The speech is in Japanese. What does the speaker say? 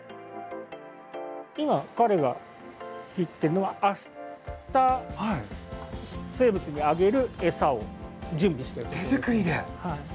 今彼が切ってるのは明日生物にあげる餌を準備してるんですよ。